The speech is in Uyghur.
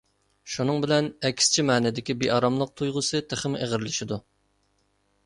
شۇنىڭ بىلەن ئەكسىچە مەندىكى بىئاراملىق تۇيغۇسى تېخىمۇ ئېغىرلىشىدۇ.